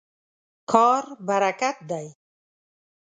کار برکت دی.